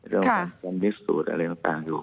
เรื่องความจำนิดสุดอะไรต่างอยู่